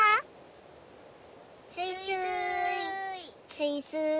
スイスーイ。